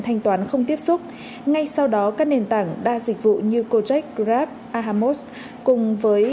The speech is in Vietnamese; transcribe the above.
thanh toán không tiếp xúc ngay sau đó các nền tảng đa dịch vụ như kotech grab ahammos cùng với